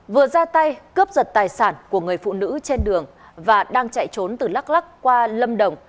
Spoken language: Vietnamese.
vừa ra tay cướp giật tài sản của người phụ nữ trên đường và đang chạy trốn từ đắk lắc qua lâm đồng